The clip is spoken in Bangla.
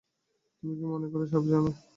তুমি কি মনে কর, সব জানো?